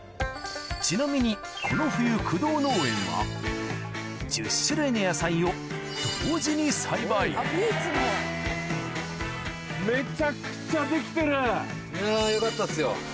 ちなみに１０種類の野菜を同時に栽培いやよかったっすよ。